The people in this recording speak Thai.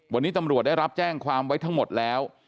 วันนี้ตำรวจได้รับแจ้งความไว้ทั้งหมดแล้ว